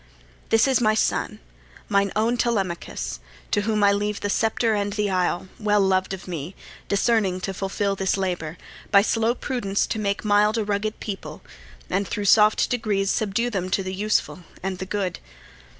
This is my son, mine own Telemachus, To whom I leave the sceptre and the isle, Well loved of me, discerning to fulfil This labour, by slow prudence to make mild A rugged people, and thro' soft degrees Subdue them to the useful and the good.